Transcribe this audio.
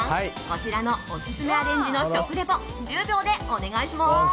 こちらのオススメアレンジの食リポ１０秒でお願いします。